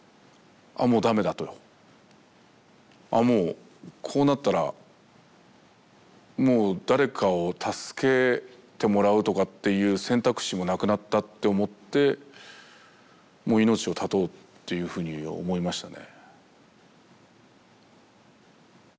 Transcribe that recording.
ああもうこうなったらもう誰かに助けてもらうとかっていう選択肢もなくなったって思ってもう命を絶とうっていうふうに思いましたね。